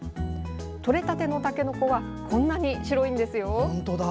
とれたてのたけのこはこんなに白いんですよ。